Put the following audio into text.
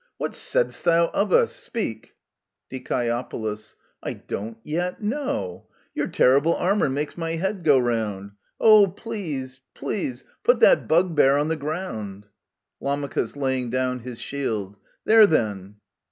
What saidst thou of us? Speak! Die. I — don't — yet — know ! Your terrible armour makes my head go round ! Oh, please, please put that bugbear on the ground ! Lam. {laying down his shield). There, then